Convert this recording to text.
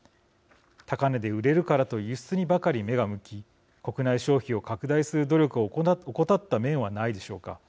高値で売れるからと輸出にばかり目が向き国内消費を拡大する努力を怠った面はないでしょうか。